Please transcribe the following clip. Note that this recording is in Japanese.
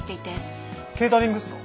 ケータリングっすか？